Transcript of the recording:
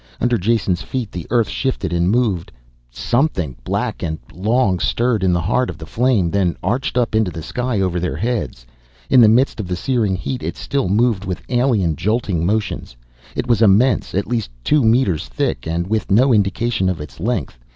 Under Jason's feet the earth shifted and moved. Something black and long stirred in the heart of the flame, then arched up into the sky over their heads. In the midst of the searing heat it still moved with alien, jolting motions. It was immense, at least two meters thick and with no indication of its length.